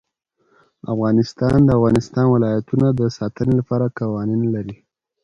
افغانستان د د افغانستان ولايتونه د ساتنې لپاره قوانین لري.